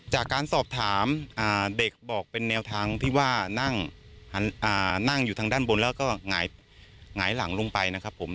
จากการสอบถามเด็กบอกเป็นแนวทางที่ว่านั่งอยู่ทางด้านบนแล้วก็หงายหลังลงไปนะครับผม